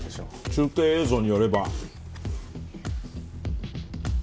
中継映像によれば。